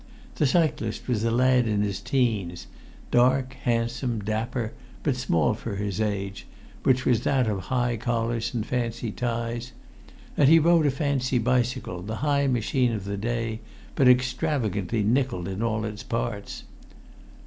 The cyclist was a lad in his teens, dark, handsome, dapper, but small for his age, which was that of high collars and fancy ties; and he rode a fancy bicycle, the high machine of the day, but extravagantly nickelled in all its parts.